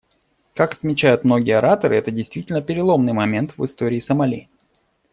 Как отмечают многие ораторы, это действительно переломный момент в истории Сомали.